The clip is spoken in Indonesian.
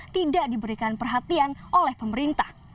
tidak diberikan perhatian oleh pemerintah